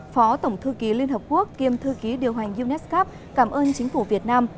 phó tổng thư ký liên hợp quốc kiêm thư ký điều hành unesco cảm ơn chính phủ việt nam